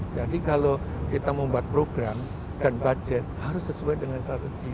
kalau kita membuat program dan budget harus sesuai dengan strategi